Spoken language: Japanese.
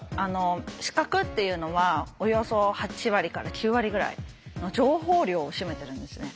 視覚っていうのはおよそ８割から９割ぐらいの情報量を占めてるんですね。